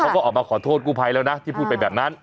เขาก็ออกมาขอโทษกู้ภัยแล้วนะที่พูดไปแบบนั้น